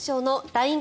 ＬＩＮＥ